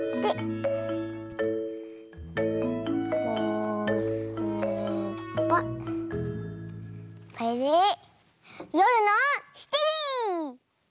こうすればこれでよるの７じ！